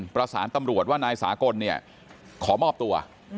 ประสานตำรวจว่านายสากลเนี่ยขอมอบตัว